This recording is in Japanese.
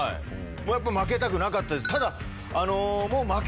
やっぱ負けたくなかったです。